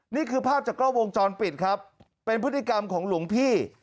นี่คือภาพจากกล้อวงจรปิดครับเป็นพฤติกรรมของหลวงพี่